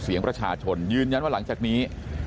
เสียงประชาชนยืนยันว่าหลังจากนี้